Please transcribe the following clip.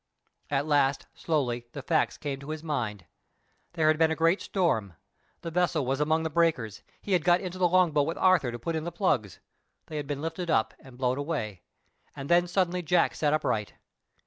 At last slowly the facts came to his mind. There had been a great storm, the vessel was among the breakers, he had got into the long boat with Arthur to put in the plugs, they had been lifted up and blown away—and then suddenly Jack sat upright.